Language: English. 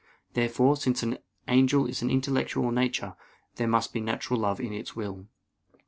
Therefore, since an angel is an intellectual nature, there must be a natural love in his will.